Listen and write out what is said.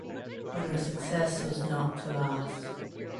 But her success was not to last.